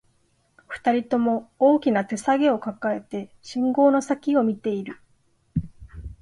二人とも、大きな手提げを抱えて、信号の先を見ている